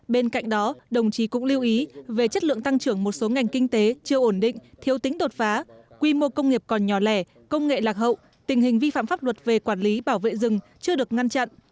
bên cạnh đó đồng chí cũng lưu ý về chất lượng tăng trưởng một số ngành kinh tế chưa ổn định thiếu tính đột phá quy mô công nghiệp còn nhỏ lẻ công nghệ lạc hậu tình hình vi phạm pháp luật về quản lý bảo vệ rừng chưa được ngăn chặn